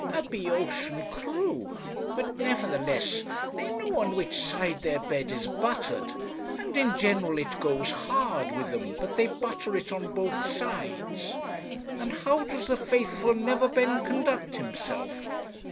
'A Boeotian crew! but, nevertheless, they know on which side their bread is buttered and in general it goes hard with them but they butter it on both sides. And how does the faithful Neverbend conduct himself?